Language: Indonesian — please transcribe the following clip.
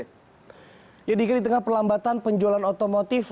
tentu ini juga di tengah perlambatan penjualan otomotif